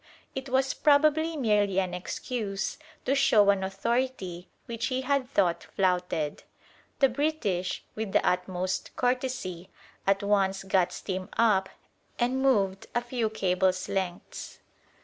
It was probably merely an excuse to show an authority which he had thought flouted. The British, with the utmost courtesy, at once got steam up and moved a few cables' lengths.